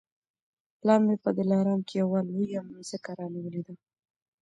پلار مي په دلارام کي یوه لویه مځکه رانیولې ده